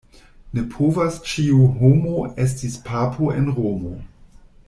Ne povas ĉiu homo esti papo en Romo.